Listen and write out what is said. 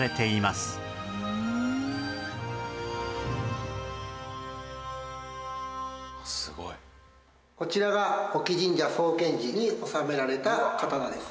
「すごい」こちらが隠岐神社創建時に納められた刀です。